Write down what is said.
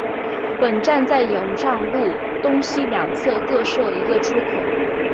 本站在上永路东西两侧各设一个出入口。